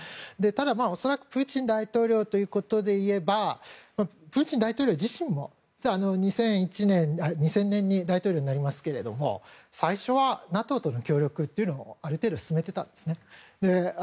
ただ、恐らくプーチン大統領ということでいえばプーチン大統領自身も２０００年に大統領になりましたけども最初はＮＡＴＯとの協力もある程度、進めていたんですね。